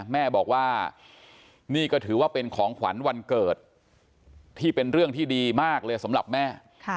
แม่บอกว่านี่ก็ถือว่าเป็นของขวัญวันเกิดที่เป็นเรื่องที่ดีมากเลยสำหรับแม่